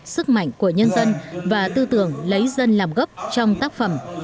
sức mạnh của nhân dân và tư tưởng lấy dân làm gốc trong tác phẩm